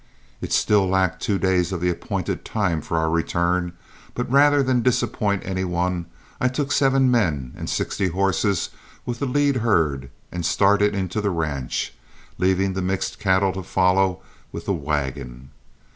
It still lacked two days of the appointed time for our return, but rather than disappoint any one, I took seven men and sixty horses with the lead herd and started in to the ranch, leaving the mixed cattle to follow with the wagon.